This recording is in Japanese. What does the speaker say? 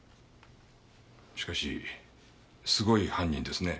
しかしすごい犯人ですね。